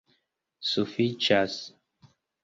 sufiĉas